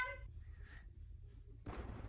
ayo cepat kerjakan